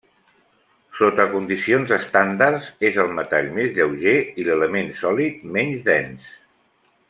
Sota condicions estàndards, és el metall més lleuger i l'element sòlid menys dens.